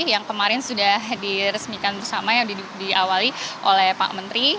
yang kemarin sudah diresmikan bersama yang diawali oleh pak menteri